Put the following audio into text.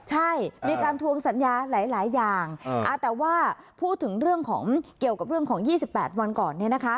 ใช่มีการทวงสัญญาหลายอย่างแต่ว่าพูดถึงเรื่องของเกี่ยวกับเรื่องของ๒๘วันก่อน